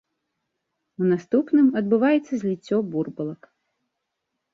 У наступным адбываецца зліццё бурбалак.